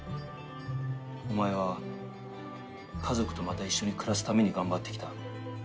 お前は家族とまた一緒に暮らすために頑張ってきた。